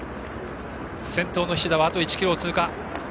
先頭の菱田は残り１ｋｍを通過。